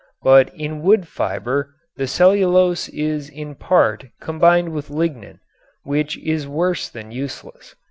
But in wood fiber the cellulose is in part combined with lignin, which is worse than useless.